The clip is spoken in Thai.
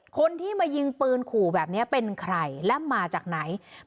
คนที่มายิงปืนขู่แบบนี้เป็นใครและมาจากไหน